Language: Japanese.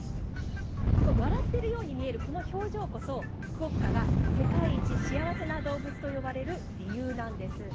笑っているように見えるこの表情こそクオッカが世界一幸せな動物と呼ばれる理由なんです。